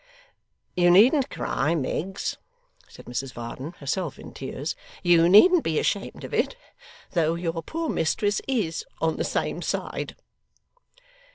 'You needn't cry, Miggs,' said Mrs Varden, herself in tears; 'you needn't be ashamed of it, though your poor mistress IS on the same side.